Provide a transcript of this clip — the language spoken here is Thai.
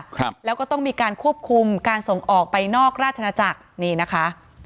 ครับแล้วก็ต้องมีการควบคุมการส่งออกไปนอกราชนาจักรนี่นะคะ